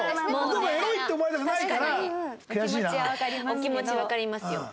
お気持ちわかりますよ。